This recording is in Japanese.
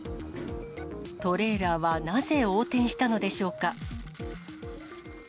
トレーラーはなぜ横転したのでしょうか。